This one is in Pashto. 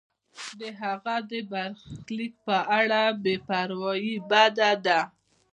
د هغه د برخلیک په اړه بې پروایی بده ده.